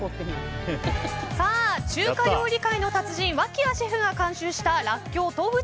中華料理界の達人脇屋シェフが監修したらっきょう・とうふ